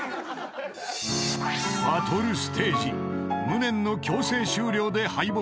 ［バトルステージ無念の強制終了で敗北した］